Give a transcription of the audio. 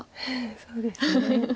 そうですね。